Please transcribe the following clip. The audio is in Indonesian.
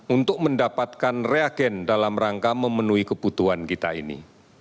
untuk mendapatkan reagen dalam rangka memenuhi kebutuhan kita ini